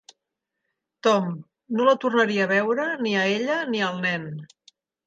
Tom no la tornaria a veure ni a ella ni al nen.